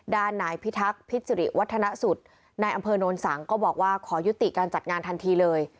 นายพิทักษ์พิษศิริวัฒนสุดนายอำเภอโนนสังก็บอกว่าขอยุติการจัดงานทันทีเลย